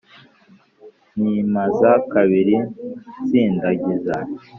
Nyimaza kabiri nsindagiza